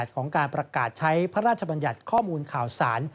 ของการประกาศใช้พระราชบัญญัติข้อมูลข่าวสาร